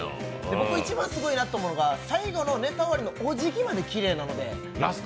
僕、一番すごいなと思うのが最後のネタ終わりのおじぎまできれいなんです。